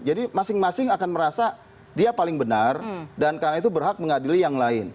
jadi masing masing akan merasa dia paling benar dan karena itu berhak mengadili yang lain